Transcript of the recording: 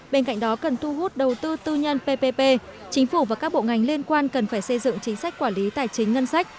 bên cạnh đó cần thu hút đầu tư tư nhân ppp chính phủ và các bộ ngành liên quan cần phải xây dựng chính sách quản lý tài chính ngân sách